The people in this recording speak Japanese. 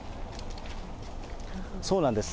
そうなんです。